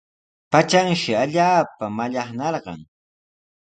Patranshi allaapa mallaqnarqan.